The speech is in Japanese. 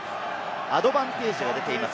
アドバンテージが出ています。